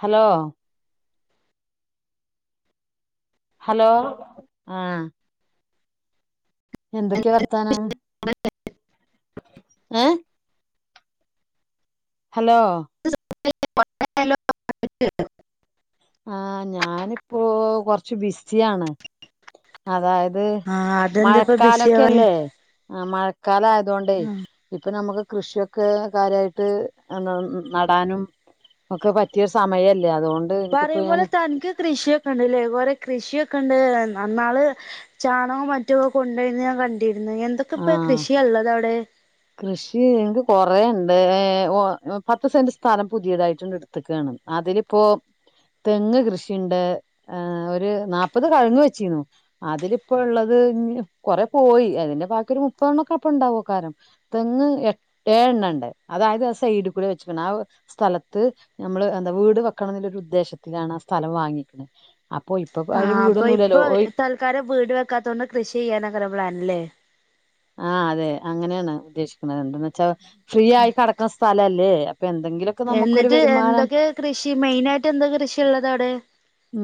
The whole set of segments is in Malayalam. ഹലോ ഹലോ ആ എന്തൊക്കെ വർത്താനം ഏ ഹലോ [unintelligible] ആ ഞാന് ഇപ്പോ കൊർച്ച് ബിസിയാണ് അതായത് ആഹ് അതെന്താപ്പ ബിസിയാവാന് മഴക്കാലൊക്കല്ലേ ആ മഴക്കാലം ആയതൊണ്ടേ ഇപ്പൊ നമുക്ക് കൃഷിയൊക്കെ കാര്യായിട്ട് നടാനും ഒക്ക പറ്റിയൊര് സമയല്ലേ അതൊ പറീം പോലെ തൻക്ക് കൃഷിം ണ്ട്ലെ ഇതുപോലെ കൃഷിയൊക്ക ഇണ്ട്ലെ നന്നാള് ചാണകും മറ്റു ഒക്ക കോണ്ടര്ന ഞാൻ ക ണ്ടിര്ന്ന് എന്തൊക്കെ ആ ഇപ്പ കൃഷിയ ഇള്ളത് അവ്ടെ കൃഷി ഇൻക്ക് കൊറെ ഇണ്ട് ഏ ഓ പത്ത് സെന്റ് സ്ഥലം പുതിയതായിട്ടുണ്ട്ട് ത്ത്ക്കാണ് അതില് ഇപ്പോ തെങ്ങ് കൃഷിണ്ട് ഒരു നാപ്പത് കഴങ്ങ് വെച്ചിരുന്നു അതില് ഇപ്പോള്ളത് കൊറെ പോയി അതിന്റെ ബാക്കി ഒരു മുപ്പതണ്ണൊക്കെ അപ്പ ഇണ്ടാവോകാരം തെങ്ങ് എ ഏഴണ്ണ ഇണ്ട് അതായത് ആ സൈഡ് കൂടെ വെച്ച്ക്ക്ണ് ആ സ്ഥലത്ത് ഞാമ്മള് എന്താ വീട് വെക്കണന്ന്ല്ലരു ഉദ്ദേശത്തിലാണ് ആ സ്ഥലം വാങ്ങിക്ക്ണ അപ്പൊ ഇപ്പൊ അവര് വീടൊന്നുലല്ലോ ഓയ് കാരണം വീട് വെക്കാത്തൊണ്ട് കൃഷി ചെയ്യാനക്കാരം പ്ലാന് ലെ ആ അതെ അങ്ങനെണ് ഉദ്ദേശിക്ക്ണത് എന്തന്ന് വെച്ചാ ഫ്രീ ആയി കട ക്ക്ണ സ്ഥലല്ലേ അപ്പ എന്തെങ്കിലും എന്നിട്ട് എന്തൊക്കെ കൃഷി മെയിൻ ആയിട്ട് എന്ത് കൃഷി ഇള്ളത് അവ്ടെ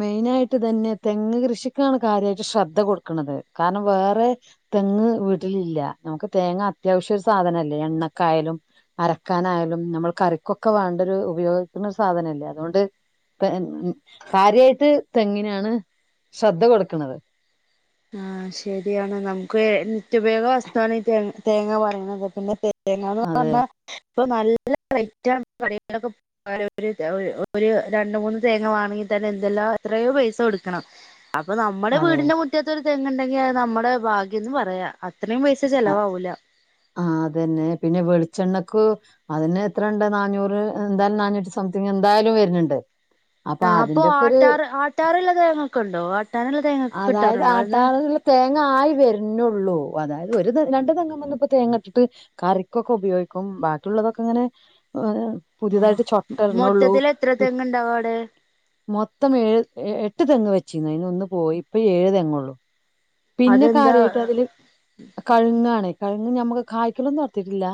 മെയിനായിട്ട് ഇതന്നെ തെങ്ങ് കൃഷിക്കാണ് കാര്യായിട്ട് ശ്രദ്ധ കൊട്ക്ക്ണത് കാരണം വേറെ തെങ്ങ് വീട്ടിലില്ല നമുക്ക് തേങ്ങ അത്യാവശ്യ ഒരു സാധനല്ലേ എണ്ണക്കായാലും അരക്കാനായാലും ഞമ്മൾ കറിക്കൊക്ക വേണ്ട ഒരു ഉപയോഗിക്ക്ണ സാധനല്ലേ അതുകൊണ്ട് കാര്യായിട്ട് തെങ്ങിനാണ് ശ്രദ്ധ കൊടുക്ക്ണത് ആ ശരിയാണ് നമുക്ക് നിത്യപയോഗ വസ്തുവാണ് ഈ തേ തേങ്ങ പറിണത് പിന്നെ തെ തേങ്ങാന്ന് അതെ പർഞ ഇപ്പം നല്ല റൈറ്റ് ആണ് കടെകളൊ [unintelligible] ഒ ഒര് രണ്ടു മൂന്ന് തേങ്ങ വാണങ്കി തന്നെ എന്തെല്ലാം എത്രയോ പൈസ കൊടുക്കണം അപ്പ നമ്മടെ അതെ വീടിന്റെ മുറ്റത്ത് ഒരു തെങ്ങ് ഇണ്ടെങ്കി അത് നമ്മുടെ ഭാഗ്യന്ന് പറയാ അത്രയും പൈസ അ- ചെലവാവുല ആ അതന്നെ പിന്നെ വെൾച്ചണ്ണക്ക് അതിന് എത്ര ഇണ്ട് നാന്നൂറ് എന്തായാലും നന്നൂറ്റി സംതിങ്ങ് എന്തായാലും വര്ന്ണ്ട് ആ അപ്പൊ ആട്ടാറ് ആട്ടാറ്ള്ള തേങ്ങക്ക ഇണ്ടോ ആട്ടാന്ള്ള തേങ്ങക്ക അതായത് കിട്ടാറുണ്ടോ ആട്ടാനുള്ള തേങ്ങ ആയി വര്നോള്ളൂ [unintelligible] ഒരു തെങ്ങാണ്ട് തെങ്മന്ന് ഇപ്പോ തേങ്ങ ഇട്ട്ട്ട് കറിക്കൊക്ക ഉപയോഗിക്കും ബാക്കിയുള്ളതൊക്ക ഇങ്ങനെ അഎ് പുതുതായിട്ട് ചൊട്ട ഇട്ണാെള്ളൂ മൊത്തത്തിൽ എത്ര പി തെങ്ങുണ്ടാവും അവിടെ മൊത്തം ഏഴ് എഎട്ട് തെങ്ങ് വെച്ചീനു അയ്ന്ന് ഒന്ന് പോയി ഇപ്പ ഏഴ് തെങ്ങാെള്ളൂ പിന്നെ അതെന്താ കാര്യായിട്ട് അതില് കഴുങ്ങാണ് കഴുങ്ങ് ഞമ്മക്ക് കായ്ക്കലൊന്നും ഒട്ത്തീട്ടില്ല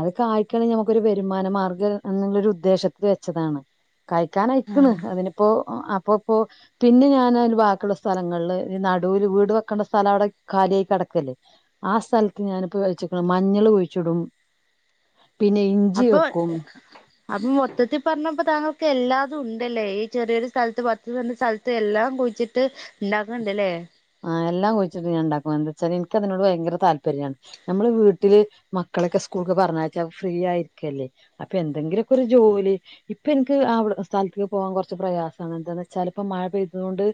അത് കായ്ക്കാണെങ്കി നമുക്കൊരു വരുമാന മാർഗ്ഗം എന്നുള്ളരു ഉദ്ദേശത്തിൽ വെച്ചതാണ് കായ്ക്കാനയ്ക്ക്ണ് അതിനിപ്പോ അപ്പപ്പോ പിന്നെ ഞാൻത് ബാക്കിള്ള സ്ഥലങ്ങളില് ഈ നടൂല് വീട് വെക് ക്കണ്ട സ്ഥലം അവിടെ കാലിയായി കെടക്കല്ലേ ആ സ്ഥൽത്ത് ഞാനിപ്പോ വെച്ചേക്കണേ മഞ്ഞള് കുഴിച്ചിടും [inaudible] പിന്നെ ഇൻ അപ്പൊ അപ്പൊ മൊത്തത്തി പറഞ്ഞപ്പോ താങ്കൾക്ക് എല്ലാതും ഉണ്ടല്ലേ ഈ ചെറിയൊരു സ്ഥൽത്ത് പത്ത് സെന്റ് സ്ഥൽ- ത്ത് എല്ലാം കുഴിച്ചിട്ട് ഇണ്ടാക്ക്ണ്ട്ല്ലേ അഹ് എല്ലാം കുഴിച്ചിട്ട് ഞാൻ ഇണ്ടാക്കും അഎന്തേച്ചാല് എനിക്കതിനോട് ഭയങ്കര താല്പര്യാണ് നമ്മളെ വീട്ടില് മക്കളെക്കെ സ്കൂൾക്ക് പറഞ്ഞയച്ച ഫ്രീ ആയിഇരിക്കല്ലേ അപ്പ എന്തെങ്കിലൊക്കെ ഒരു ജോലി ഇപ്പൊ എനിക്ക് അവ്ടെ സ്ഥലത്ത്ക്ക് പോവാൻ കൊർച്ച് പ്രയാസാണ് എന്താന്ന് വെച്ചാല്ഇപ്പ മഴ പെയ്തത് കൊണ്ട്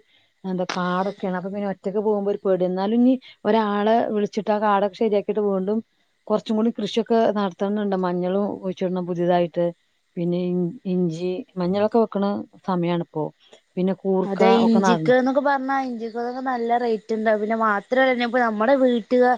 എന്തോ കാടൊക്കേണ് അപ്പ പിന്നെ ഓ റ്റക്ക് പോവുമ്പോ ഒരു പേട്യാ ഇന്നാലും ഇനി ഒരാളെ വിളിച്ചിട്ട് ആ കാടൊക്കെ ശരിയാക്കീട്ട് വീണ്ടും കാെർച്ചും കൂടി കൃഷൊക്കെ നടത്തണംന്ന്ണ്ട് മഞ്ഞളും കുഴ്ച്ച്ടണം പുതേതായിട്ട് പിന്നെ ഇൻ ഇഞ്ചി മഞ്ഞളൊക്കെ വെക്ക്ണ സമയാണ്പ്പോ അതെ ഇഞ്ചിക്ക്ന്നൊക്കെ പർഞ്ഞാ ഇഞ്ചി ഇവക്കക്ക നല്ല റെയ്റ്റ് ഇണ്ടാവും പിന്ന മാത്രല്ല ഞ്ഞിപ്പ നമ്മട വീട്ട്കാ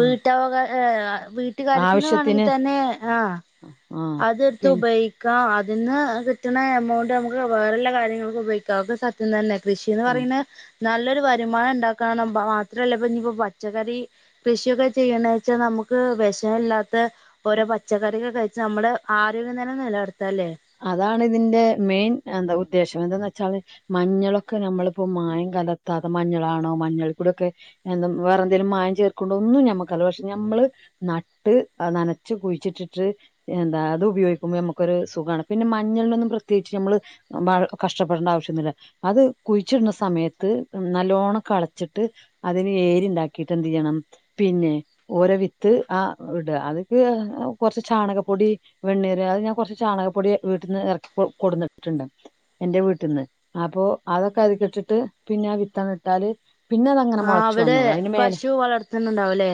ആ, ഏഹ് വീട്ട്കാര്യത്തിന് വേണെങ്കി ആവശ്യത്തിന് തന്നെ ആഹ് ആഹ് അത്ട്ത്ത് പിന്നെ ഉപയ് ക്കാം അത് ന്ന് കിട്ട്ണ എമൗണ്ട് നമുക്ക് വേറെല്ല കാര്യങ്ങൾക്ക്‌ ഉപയ്ക്കാം അത് സത്യം തന്നെ കൃഷീന്ന് ആഹ് പറീണ് നല്ലൊര് വരുമാനം ഇണ്ടാക്കാന്ന മാത്രല്ല ഇപ്പ ഇനിപ്പോ പച്ചക്കറീ കൃഷിയൊക്ക ചെയ്യ്ണ വെച്ച നമുക്ക് വെഷല്ലാത്ത ഓരോ പച്ചക്കറിക്ക കയ്ച്ച നമ്മടെ ആരോഗ്യം തന്നെ നെലർത്താല്ലേ അതാണ് ഇതിന്റെ മെയ്ൻ എന്ത ഉദ്ദേശം എന്തന്ന് വെച്ചാള് മഞ്ഞളൊക്ക നമ്മള്പ്പോ മായം കലർത്താത മഞ്ഞളാണോ മഞ്ഞൾ പ്പൊടെക്കെ എന്ത വേറെന്തേലും മായം ചേർക്ക്‌ണ്ടോ ഒന്നും ഞമ്മക്കർല്ല പക്ഷെ ഞമ്മള് നട്ട് നനച്ച് കുയ്ച്ചിട്ടിട്ട് എന്താ അത് ഉപയോഗിക്കുമ്പ ഞമ്മക്കൊര് സുഖാണ് പിന്നെ മഞ്ഞൾനൊന്നും പ്രത്യേകിച്ച് ഞമ്മള് വൾ കഷ്ടപ്പെടണ്ട ആവശ്യന്നുല്ല അത് കുയ്ച്ചിട്ന്ന സമയത്ത് നല്ലോണം കളച്ച്ട്ട് അതിന് ഏരിണ്ടാക്കീട്ട് എന്തെയ്യണം പിന്നെ ഓരോ വിത്ത് അ ഇട അത്ക്ക് കൊറച്ച് ചാണകപ്പൊടി വെണ്ണീര് അത് ഞാം കൊർച്ച് ചാണകപ്പൊടി വീട്ട്ന്ന് എറക്കി കൊ കൊട്ന്ന്ട്ട്ണ്ട് എന്റ വീട്ട്ന്ന് അപ്പൊ അതൊക്ക അതീക്കിട്ടിട്ട് പിന്ന ആ വിത്തങ്ങ് ഇട്ടാല് പിന്ന അതങ്ങനെ ആഹ് മൊളച്ച്‌ അവിടെ വന്നോളും അയ്ന് മേലെ പശു വളർത്തുന്നുണ്ടാവുംല്ലേ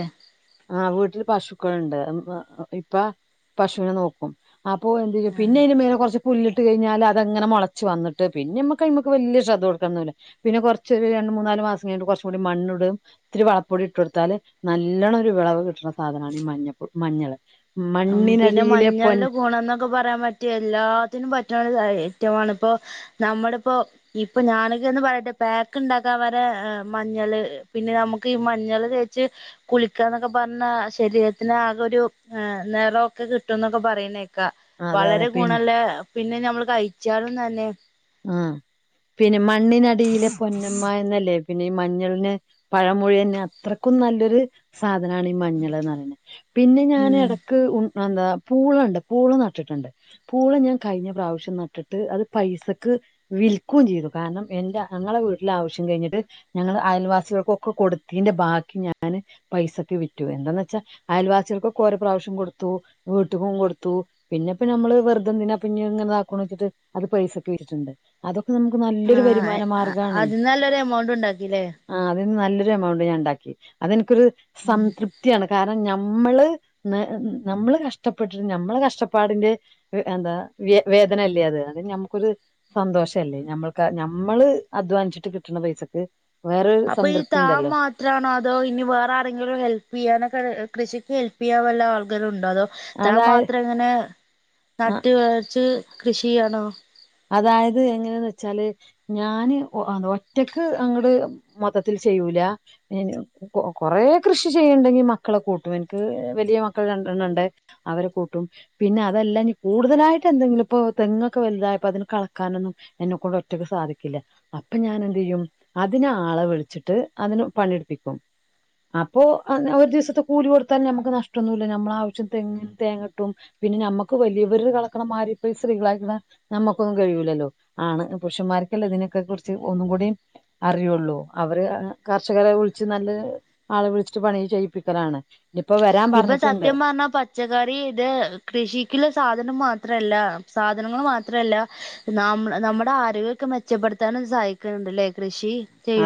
ആഹ് വീട്ട്ല് പശുക്കള്ണ്ട് [unintelligible] ഇപ്പ പശൂനെ നോക്കും അപ്പൊ എന്തെയ്യും പി അയ്ന്റെ മേലെ കൊർച്ച് പുല്ലിട്ട് കയ്ഞ്ഞാല് അതങ്ങനെ മൊളച്ച്‌ വന്ന്ട്ട് പിന്നെ ഞമ്മക്ക് അയ്മക്ക് വല്ല്യ ശ്രദ്ധ കൊട്ക്കണ്ന്നൂല്ല പിന്ന കൊറച്ചൊര് രണ്ട് മൂന്നാല് മാസം കഴിഞ്ഞ്ട്ട് കൊറച്ച്‌ കൂടി മണ്ണ് ഇടും ഇത്തിരി വളപ്പൊടി ഇട്ടൊട്ത്താല് നല്ലെണ്ണം ഒര് വെളവ് കിട്ട്ണ സാധനാണ് ഈ മഞ്ഞപ്പ് മഞ്ഞള് മണ്ണിനടിയിലെ പൊൻ ഇപ്പ പറയാം പറ്റിയ എല്ലാത്തിനും പറ്റ്ണൊര് സയെ ഏറ്റവാണ്പ്പോ നമ്മട് ഇപ്പോ ഇപ്പൊ ഞാനക്കെന്ന് പറയട്ടെ പാക്ക് ഇണ്ടാക്കാം വരെ മഞ്ഞള് പിന്നെ നമുക്കീ മഞ്ഞള് തേച്ച് കുളിക്കാന്നൊക്ക പർഞ്ഞ ശരീരത്തിനാക ഒരു ഏ നെറൊക്ക കിട്ടുന്നൊക്കെ പറയ്ണേക്കാ അതെ അതെ വളരേ പിൻ ഗുണള്ളേ പിന്നെ ഞമ്മള് കയ്ച്ചാളും തന്നെ ആ പിന്നെ മണ്ണിനടിയിലെ പൊന്നമ്മ എന്നല്ലേ പിന്നെ ഈ മഞ്ഞൾനെ പഴമൊഴി തന്നെ അത്രക്കും നല്ലൊര് സാധനാണ് ഈ മഞ്ഞള്ന്ന് പറെന്നെ പിന്നെ ഞാന് ഉം എടക് ക്ക്‌ ഉൺ എന്താ പൂളണ്ട് പൂള നട്ട്ട്ട്ണ്ട് പൂള് ഞാ കയ്ഞ്ഞ പ്രാവശ്യം നട്ട്ട്ട് അത് പൈസക് ക്ക് വിൽക്കും ചെയ്തു കാര്ണം എൻറെ ഞങ്ങളെ വീട്ട്ല ആവശ്യം കയ്ഞ്ട്ട് ഞങ്ങള് അയൽവാസികൾക്കൊക്കെ കൊട്ത്തീന്റെ ബാക്കി ഞാന് പൈസക്ക്‌ വിറ്റു എന്തന്ന് വെച്ച അയൽവാസികൾക്കൊക്ക ഓരോ പ്രാവശ്യം കൊട്ത്തു വീട്ട്ക്കും കൊട്ത്തു പിന്ന ഇപ്പ നമ്മള് വെറുതെന്തിനാ പിന്നെ ഇങ്ങനതാക്കുണു വെച്ചിട്ട് അത് പൈസക് പീരിച്ചുണ്ടൻ അതൊക്കെ നമക്ക് ആ നല്ലൊര് വരുമാന മാർഗ്ഗാണെയ് അതിന് നല്ലൊരു എമൗണ്ട് ഉണ്ടാക്കില്ലേ ആ അതിന്ന് നല്ലൊര് എമൗണ്ട് ഞാണ്ടാക്കി അതെന്ക്കൊരു സംതൃപ് പ്ത്യാണ് കാര്ണം ഞമ്മള് നെ നമ്മ്ള് കഷ്ടപ്പെട്ടിട്ട് ഞമ്മളെ കഷ്ടപ്പാടിന്റെ ഹ് എന്താ വ്യെ വേധന അല്ലേ അത് അത് ഞമ്മക്കൊര് സന്തോഷല്ലേ നമ്മൾക്ക് നമ്മള് അധ്വാൻച്ട്ട് കിട്ട്ണ പൈസക്ക് വേറൊര് അപ്പൊ ഈ സംതൃപ്തി താൻ ഉണ്ടല്ലോ [unintelligible] അതോ ഇനി വേറെ ആരെങ്കിലും ഹെൽപ്പ് ചെയ്യാനൊക്കെ കൃഷിക്ക് ഹെൽപ്പ്യ്യാം വല്ല ആൾഗരും ഉണ്ടോ അതോ താൻ അതായ മാത്രം ങ്ങനെ ആ നട്ട് വളർച്ച് കൃഷിയ്യാണോ അതായത് എങ്ങനെന്ന് വെച്ചാല് ഞാന് അ ഒറ്റക്ക് അങ്ങ്ട് മൊത്തത്തിൽ ചെയ്യൂല ഞാനു കൊ കൊറേ കൃഷി ചെയ്യ്ണ്ടെങ്കി മക്കളെ കൂട്ടും എനിക്ക് വലിയ മക്കൾ രണ്ടെണ്ണണ്ടെ അവരെ കൂട്ടും പിന്നെ അതെല്ലാ ഞ്ഞി കൂട്തലായിട്ട് എന്തെങ്കിലും ഇപ്പൊ തെങ്ങൊക്ക വൽതാ ഇപ്പ അതിന് കളക്കാനൊന്നും എന്നക്കൊണ്ട് ഒറ്റക്ക് സാധിക്കില്ല അപ്പ ഞാനെന്തെയ്യും അതിനാളവിൾച്ചിട്ട് അതിന് പണി എടുപ്പിക്കും അപ്പൊ അന്ന് ഒര് ദിവസത്തെ കൂലി കൊട്ത്താലും ഞമ്മക്ക് നഷ്ടൊന്നുല്ല നമ്മള ആവശ്യം തെങ്ങ് തേങ്ങകിട്ടും പിന്നെ ഞമ്മക്ക് വലിയവര് കളക്ക്‌ണമായ്രി പ്പൊ ഈ സ്ത്രീകളായിരിക്ക്‌ണ നമ്മുക്കൊന്നും കഴിയൂലല്ലോ ആണ് പുരുഷന്മാർക്കല്ലേ ഇതിനൊക്കെ കുറിച്ച് ഒന്നും കൂടിം അറിയുള്ളൂ അവര് കർഷകരെ വുൾച്ച് നല്ല ആളെ വുൾച്ച്ട്ട് പണി ചെയ്യിപ്പിക്കലാണ്. ഇപ്പോ വരാം ഇപ്പൊ പർഞ്ഞിട്ട്ണ്ട്. സത്യം പറഞ്ഞാ പച്ചക്കറി ഇത് കൃഷിക്ക്‌ള്ള സാധനം മാത്രല്ല സാധനങ്ങള് മാത്രല്ല ന്നാം നമ്മുടെ ആരോഗ്യക്കെ മെച്ചപ്പെടുത്താനും സഹായിക്ക്‌ണ് ണ്ട് ലേ കൃഷി.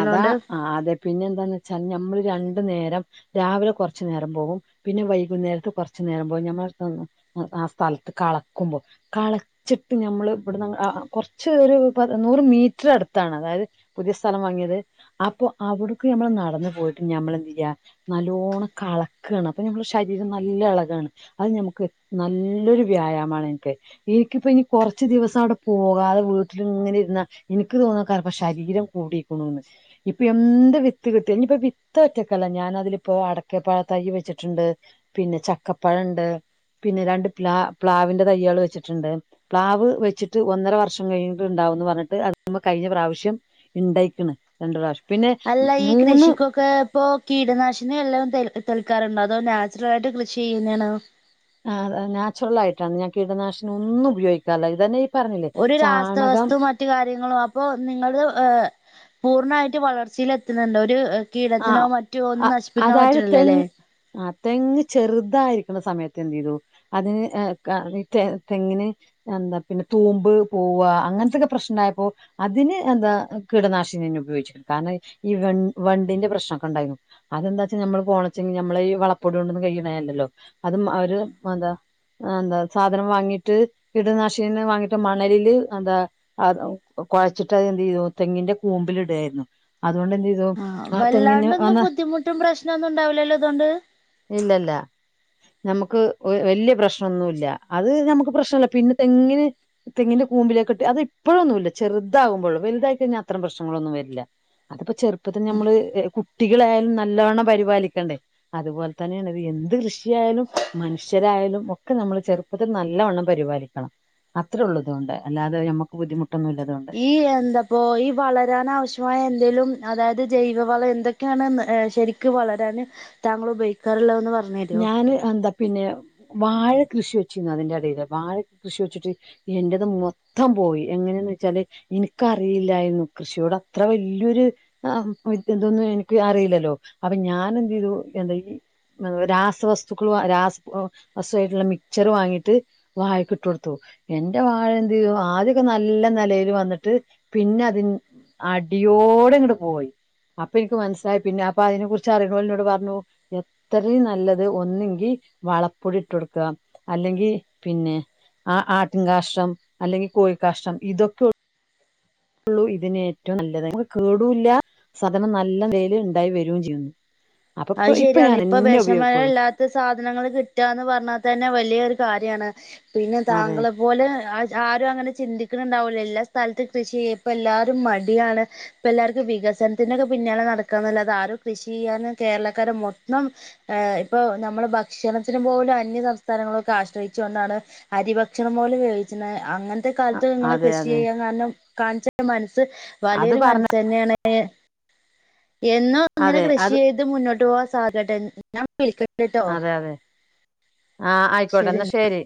അതാ അതെ പിന്നെ എന്താന്ന് വെച്ചാ ഞമ്മള് രണ്ടു നേരം. രാവിലെ കൊർച്ച് നേരം പോവും പിന്നെ വൈകുന്നേരത്ത് കൊർച്ച് നേരം പോവും ഞമ്മളെ സ്വ ആ സ്ഥലത്ത് കളക്കുമ്പോ കളക് ച്ച്ട്ട് ഞമ്മള് ഇവിട് ന്ന് അ അ കൊർച്ച് ഒരു പ നൂറ് മീറ്ററ് അട്ത്താണ് അതായത് പുതിയ സ്ഥലം വാങ്ങിയത് അപ്പൊ അവ്ട്ക്ക് നമ്മള് നടന്നു പോയിട്ട് ഞമ്മളെന്ത്‌യ്യാ നല്ലോണ്ണം കളക്കാണ് അപ്പൊ നമ്മുടെ ശരീരം നല്ല എളകാണ്. അത് ഞമ്മക്ക് നല്ലൊരു വ്യായാമാണ് ഇൻക്ക് എനിക്കിപ്പ ഇനി കൊറച്ച് ദിവസം അവ്ടെ പോകാതെ വീട്ടില് ങ്ങനെ ഇരുന്നാ എനിക്ക് തോന്നാകാരം പ്പ ശരീരം കൂടീക്ക്‌ണൂന്ന് ഇപ്പൊ എന്ത്‌ വിത്ത്‌ കിട്ടിയാലും ഞ്ഞിപ്പ വി ത്ത്‌ ഒറ്റക്കല്ല ഞാനതിലിപ്പോ അടക്ക പഴ തൈ വെച്ചിട്ടുണ്ട് പിന്നെ ചക്കപ്പഴംണ്ട്. പിന്നെ രണ്ട് പ്ലാ പ്ലാവിന്റെ തയ്യാള് വെച്ചിട്ട്ണ്ട്. പ്ലാവ് വെച്ചിട്ട് ഒന്നര വർഷം കഴിഞ്ഞിട്ട്ണ്ടാവുന്ന് പർഞ്ട്ട് അട്ത് മ്മ കഴിഞ്ഞ പ്രാവശ്യം ഇണ്ടയ്ക്ക്‌ണ് രണ്ട്‌ പ്രാവശ്യം പിന്നെ മൂന്ന് ഇപ്പോ കീടനാശിനി വെല്ലതും തെള് തെളിക്കാറുണ്ടോ അതോ നാച്ചുറലായിട്ട് കൃഷി ചെയ്യ്ന്നേണോ ആഹ് അതെ നാച്ചുറലായിട്ടാണ് ഞാൻ കീടനാശിനി ഒന്നും ഉപയോഗിക്കാറില്ല ഇതെന്നെ ഈ പറഞ്ഞില്ലേ ചാണകം മറ്റ് കാര്യങ്ങളും അപ്പൊ നിങ്ങള് ഹ് പൂർണ്ണായിട്ട് വളർച്ചീല് എത്ത്ണ് ണ്ടോ ഒര് ആ കീടത്തിനോ മറ്റോ ഒന്നും നശിപ്പിക്കാൻ പറ്റ്ണില്ലലേ ആഹ് തെങ്ങ് ചെറ്തായിരിക്ക്‌ണ സമയത്ത് എന്തീതു അതിന് ഹ് ക ഇ തെ തെങ്ങിന് എന്താ പിന്നെ തൂമ്പ് പോവാ അങ്ങൻത്തെക്കെ പ്രശ്നം ഇണ്ടായപ്പൊ അതിന് എന്താ കീടനാശിനിന്നെ ഉപയോഗിച്ച്ക്ക്‌ണ് കാരണം ഈ വെൺ വണ്ടിന്റെ പ്രശ്നം ഒക്കെ ഇണ്ടായിന്നു അതെന്താച്ചാ ഞമ്മള് പോണച്ചെങ്കി ഞമ്മളെ ഈ വളപ്പൊടിയോണ്ടൊന്നും കെയ്യ്ണഎല്ലല്ലോ അത് മ ഒരു മതാ അത്എന്താ സാധനം വാങ്ങീട്ട് കീടനാശിനിനെ വാങ്ങിട്ട് മണലില് അത്എന്താ അത് കൊയച്ചിട്ട് അത് എന്തീതു തെങ്ങിന്റെ കൂമ്പില് ഇടേയ്ന്നു അത്കൊണ്ട് എന്തീതു ആഹ് വല്ലാണ്ടൊന്നും ബുദ്ധിമുട്ടും പ്രശ്നൊന്നും ഇണ്ടാവൂലല്ലോ ഇതോണ്ട് ഇല്ലല്ല ഞമ്മക്ക് ഒ വെല്യ പ്രശ്നൊന്നുല്യ അത് ഞമക്ക് പ്രശ്നല്ല പിന്നെ തെങ്ങിന് തെങ്ങിന്റെ കൂമ്പിലേക്ക്ട്ട് അത് ഇപ്പഴൊന്നുല്ല ചെറ്താവുമ്പൊള്ളൂ വെൽതായി കെഴിഞ്ഞാ അത്രം പ്രശ്നങ്ങളൊന്നും വെര്ല്ല അത്പ്പൊ ചെറ്പ്പത്തില് ഞമ്മള് കുട്ടികളേയാലും നല്ലോണ്ണം പരിപാലിക്കെണ്ടെ അത്പോൽത്തെന്നേണ് ഇത് എന്ത് കൃഷിയായാലും മനുഷ്യരായാലും ഒക്കെ നമ്മള് ചെറ്പ്പത്തില് നല്ലവണ്ണം പരിപാലിക്കണം അത്രൊള്ളൂ ഇതോണ്ട് അല്ലാതെ ഞമ്മക്ക് ബുദ്ധിമുട്ടൊന്നുല്ല ഇതോണ്ട് ഈ എന്താപ്പോ ഈ വളരാനാവിശ്യമായ എന്തേലും അതായത് ജൈവെവളം എന്തൊ ക്കെണ്ന്ന് ഹ് ശെരിക്ക്‌ വളരാന് താങ്കള് ഉപയോഗിക്കാറ്ള്ളതൊന്ന് പറ ഞാന് എന്താ പിന്നെ വാഴ കൃഷി വെച്ചീന്നു അതിന്റെ എടേല് വാഴ കൃഷി വെച്ച്ട്ട് എന്റെത് മൊത്തം പോയി എങ്ങനേന്ന് വെച്ചാല് ഇന്ക്കറീലായിരുന്നു കൃഷിയോട് അത്ര വല്യൊര് ആ ഇതൊന്നും എനിക്ക് അറീലല്ലോ അപ്പൊ ഞാനെന്തീതു എന്താ ഈ രാസവസ്തുക്കള് വാ രാസ ഒ വസ്തുവായിട്ട്ള്ള മിക്ച്ചറ് വാങ്ങിയിട്ട് വാഴക്ക് ഇട്ടൊട്ത്തു എന്റെ വാഴ എന്തെയ്തു ആദ്യൊക്കെ നല്ല നിലേല് വന്ന്ട്ട് പിന്നെ അതിന് അടിയോടെടങ്ങട്ട് പോയി അപ്പൊ ഇൻക്ക് മനസ്സിലായി പിന്നെ അപ്പൊ എനെ കുറിച്ച് അറിണോല് ഇന്നോട് പർണു എ ത്രീം നല്ലത് ഒന്നെങ്കിൽ വളപ്പൊടി ഇട്ടൊട്ക്കണം അല്ലെങ്കി പിന്നെ ആ ആട്ടിൻ കാഷ്ട്രം അല്ലെങ്കി കോഴി കാഷ്ടം ഇതൊക്കെ യൊള്ളൂ ഇതിന് ഏറ്റവും നല്ലത് ഇത് നമ്മക്ക് കേടുല്ല സാധനം നല്ലനെലേല് ഇണ്ടായി വെരുംചെയ്യുംന്ന് അത് ശെരിയാണ് ഇപ്പൊ ഉപയോഗിക്കുള്ളൂ വെഷങ്ങളില്ലാ ത്ത സാധനങ്ങള് കിട്ടാന്ന് പർണതെന്നെ വല്യൊരു കാര്യാണ് പിന്നെ അതെ താങ്കളെ പോലെ ആര് ആരും അങ്ങനെ ചിന്തിക്ക്ണ് ഇണ്ടാവൂലേയ് എല്ലാ സ്ഥൽത്തും കൃഷി ചെയ്യ് ഇപ്പെഎല്ലാരും മടിയാണ് ഇപ്പെഎല്ലാർക്കും വികസനത്തിനൊക്കെ പിന്നാലെ നടക്കാനെല്ലാതെ ആരും കൃഷിയ്യാനും കേരളക്കാരെ മൊത്തം ഏ ഇപ്പൊ നമ്മള് ഭക്ഷണത്തിന് പോലും അന്യ സംസ്ഥാനങ്ങളൊക്കെ ആശ്രയിച്ചു കൊണ്ടാണ് അരി ഭക്ഷണം പോലെ ഉപയോഗിച്ച്ണേ അങ്ങൻ ത്തെ കാൽത്ത് ഇങ്ങള് അതെ കൃഷി അതെ ചെയ്യാൻ കാരണം കാണിച്ച മനസ്സ് അത് വലിയൊരു പറഞ്ഞ മനസ്സെന്നേണ് എന്നും അങ്ങനെ അതെ കൃഷി അത് ചെയ്ത് മുന്നോട്ട് പോവാൻ സാധിക്കട്ടെ ഞാൻ വിളിക്കണ്ട്ട്ടോ ആഹ് ഐക്കോട്ടെ ശരി എന്നാ. ഇന്ന ശെരി